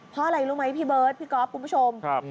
เพราะอะไรรู้ไหมพี่เบิร์ดพี่ก๊อฟคุณผู้ชม